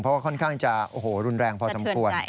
เพราะว่าค่อนข้างจะโอ้โหรุนแรงพอสมควร